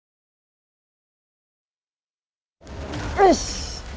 よし！